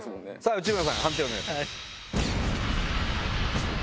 内村さん判定をお願いします。